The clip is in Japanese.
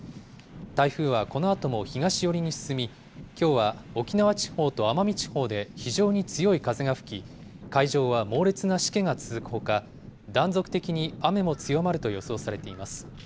台風はこのあとも東寄りに進み、きょうは沖縄地方と奄美地方で非常に強い風が吹き、海上は猛烈なしけが続くほか、断続的に雨も強まると予想されています。